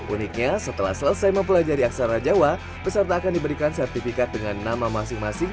uniknya setelah selesai mempelajari aksara jawa peserta akan diberikan sertifikat dengan nama masing masing